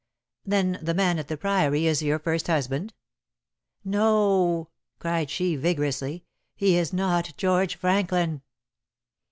"Then the man at the Priory is your first husband?" "No!" cried she vigorously. "He is not George Franklin."